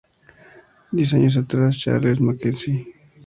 Diez años atrás, Charles MacKenzie Jr.